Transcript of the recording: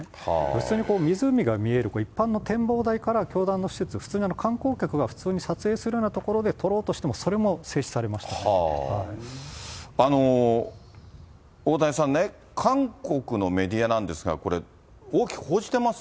普通に湖が見える一般の展望台から教団の施設、普通に観光客が普通に撮影するような所で撮ろうとしても、それも大谷さんね、韓国のメディアなんですが、これ、大きく報じてます？